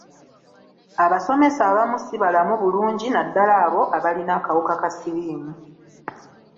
Abasomesa abamu ssi balamu bulungi naddala abo abalina akawuka ka siriimu.